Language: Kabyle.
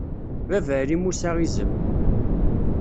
Baba Ɛli Musa izem.